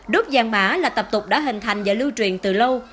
đốt vàng mã là tập tục đã hình thành và lưu truyền từ lâu